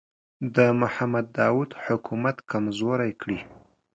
د محمد داوود حکومت کمزوری کړي.